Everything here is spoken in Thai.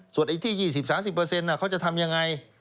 ส่วนไอ้ที่๒๐๓๐เขาจะทำยังไง